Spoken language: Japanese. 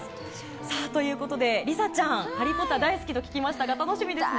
さあ、ということで、梨紗ちゃん、ハリー・ポッター大好きと聞きましたが楽しみですね。